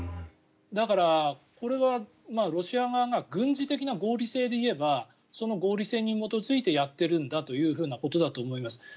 だから、これはロシア側が軍事的な合理性で言えばその合理性に基づいてやっているということなんだと思います。